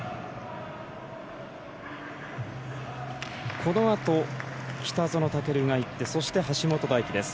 このあと北園丈琉が行ってそして、橋本大輝です。